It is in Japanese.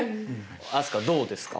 飛鳥どうですか？